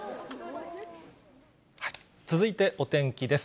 続いて、お天気です。